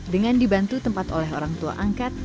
dengan dibantu tempat oleh orang tua angkat